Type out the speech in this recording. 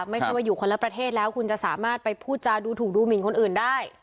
ไม่ใช่ว่าอยู่คนละประเทศแล้วคุณจะสามารถไปพูดจาดูถูกดูหมินคนอื่นได้